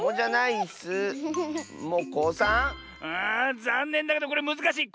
あざんねんだけどこれむずかしい！